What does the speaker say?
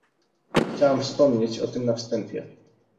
Chciałam wspomnieć o tym na wstępie